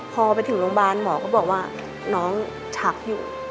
พอไปถึงโรงพยาบาลหมอก็บอกว่าน้องชักอยู่